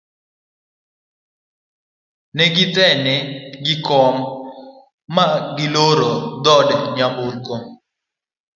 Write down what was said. negithene gi kom ma giloro dhod nyamburko